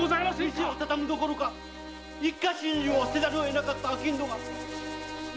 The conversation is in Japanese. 店をたたむどころか一家心中をせざるを得なかった商人が何人もいるのです！